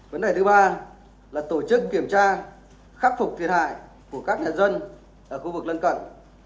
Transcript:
vấn đề thứ ba là tổ chức kiểm tra khắc phục thiệt hại của các nhà dân ở khu vực lân cận